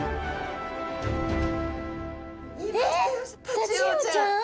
タチウオちゃん！